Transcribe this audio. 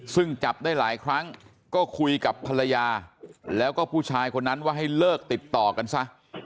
ซึ่งจับได้หลายครั้งก็คุยกับภรรยาแล้วก็ผู้ชายคนนั้นว่าให้เลิกติดต่อกันซะ